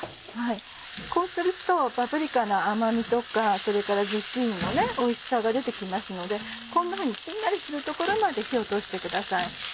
こうするとパプリカの甘みとかそれからズッキーニのおいしさが出て来ますのでこんなふうにしんなりするところまで火を通してください。